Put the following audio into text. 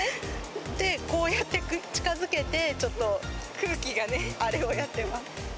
こうやって近づけて、空気がね、あれをやってます。